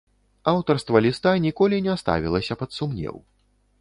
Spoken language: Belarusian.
Аўтарства ліста ніколі не ставілася пад сумнеў.